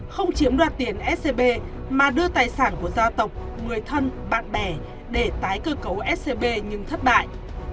không chiếm đoạt tiền scb mà đưa tài sản của gia tộc người thân bạn bè để tái cơ cấu scb nhưng thất bại